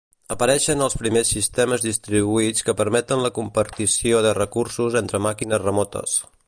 Apareixen els primers sistemes distribuïts que permeten la compartició de recursos entre màquines remotes.